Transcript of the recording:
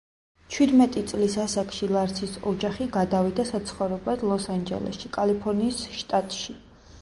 ჩვიდმეტი წლის ასაკში ლარსის ოჯახი გადავიდა საცხოვრებლად ლოს-ანჯელესში, კალიფორნიის შტატში.